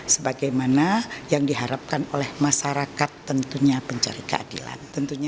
sebagaimana yang diharapkan oleh masyarakat tentunya pencari keadilan